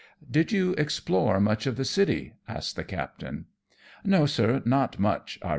" Did you explore much of the city ?" asks the captain. " 'So, sir, not much," I reply.